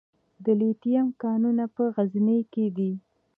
د لیتیم کانونه په غزني کې دي